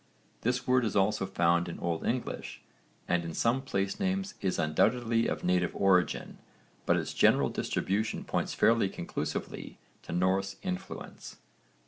This word is also found in O.E. and in some place names is undoubtedly of native origin, but its general distribution points fairly conclusively to Norse influence.